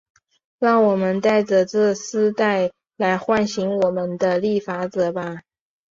让我们戴着这丝带来唤醒我们的立法者吧。